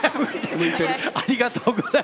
ありがとうございます。